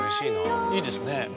いいですね。